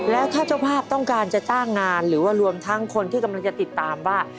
แล้วถ้าเจ้าภาพต้องการจะจ้างงานหรือว่ารวมทั้งคนที่กำลังจะติดตามว่า